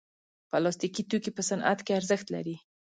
پلاستيکي توکي په صنعت کې ارزښت لري.